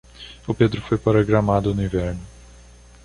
O Pedro foi para Gramado no inverno.